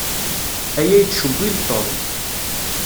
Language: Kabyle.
Aya yettcewwil Tom.